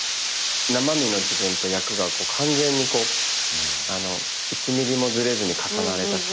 生身の自分と役が完全にこう１ｍｍもずれずに重なれた瞬間。